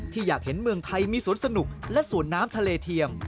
อยากเห็นเมืองไทยมีสวนสนุกและสวนน้ำทะเลเทียม